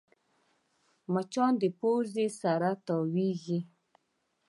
مچان د پوزې سره تاوېږي